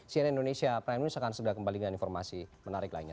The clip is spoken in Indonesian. cnn indonesia prime news akan segera kembali dengan informasi menarik lainnya